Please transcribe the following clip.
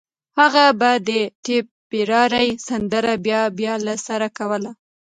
هغه به د ټيپيراري سندره بيا بيا له سره کوله